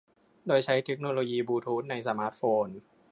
โดยใช้เทคโนโลยีบลูธูทในสมาร์ทโฟน